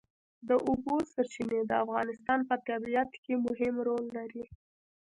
د اوبو سرچینې د افغانستان په طبیعت کې مهم رول لري.